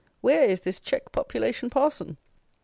Where is this check population parson?